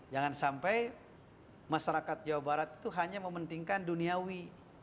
jangan sampai masyarakat jawa barat itu hanya mementingkan duniawi